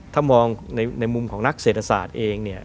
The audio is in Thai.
ถ้ามองในมุมของนักเศรษฐศาสตร์เองเนี่ย